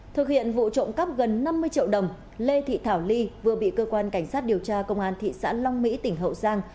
thực hiện vụ trộm cắp gần năm mươi triệu đồng lê thị thảo ly vừa bị cơ quan cảnh sát điều tra công an thị xã long mỹ tỉnh hậu giang